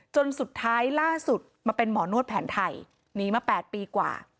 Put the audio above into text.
จนสุดท้ายล่าสุดมาเป็นหมอนวดแผนไทยหนีมา๘ปีกว่า